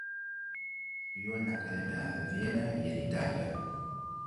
Estudió en la Academia de Viena y en Italia.